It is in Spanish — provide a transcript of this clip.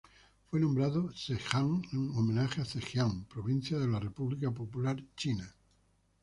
Fue nombrado Zhejiang en homenaje a Zhejiang provincia de la República Popular China.